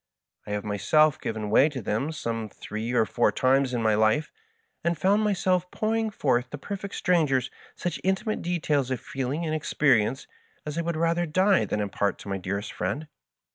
I have myself given way to them some three or Digitized by VjOOQIC MY FASCINATING FRIEND. Ul four times in my life, and found myself pouring forth to perfect strangers such intimate details of feeling and ex perience as I would rather die than impart to my dearest friend.